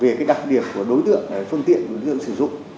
về cái đặc điểm của đối tượng phương tiện đối tượng sử dụng